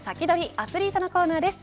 アツリートのコーナーです。